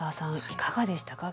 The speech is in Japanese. いかがでしたか？